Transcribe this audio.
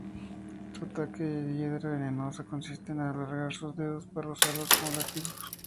Su ataque hiedra venenosa consiste en alargar sus dedos para usarlos como látigos.